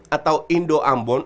atau indo ambon